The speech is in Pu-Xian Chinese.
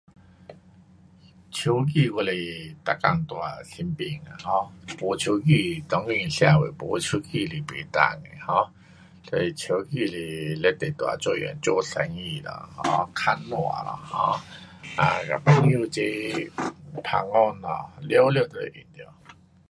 手机我是每天带身边的 um 没手机当今社会没手机是不能的 um 所以手机是非常大作用，做生意咯 um 问候咯 um 跟朋友齐旁讲咯，了了就是得。